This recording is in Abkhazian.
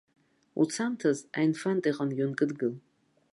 Уцамҭаз аинфант иҟынгьы ункыдгыл.